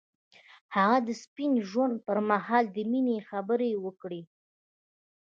هغه د سپین ژوند پر مهال د مینې خبرې وکړې.